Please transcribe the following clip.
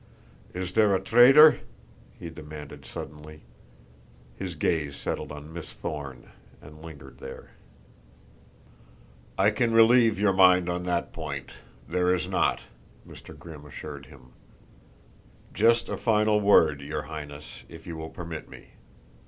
"Is there a traitor?" he demanded suddenly. His gaze settled on Miss Thorne and lingered there. "I can relieve your mind on that point there is not," Mr. Grimm assured him. "Just a final word, your Highness, if you will permit me.